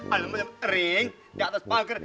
alam alam ring di atas pagar